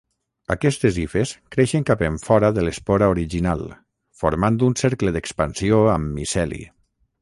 Aquestes hifes creixen cap enfora de l'espora original, formant un cercle d'expansió amb miceli.